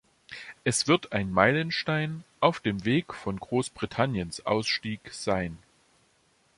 Es wird ein Meilenstein auf dem Weg von Großbritanniens Ausstieg sein.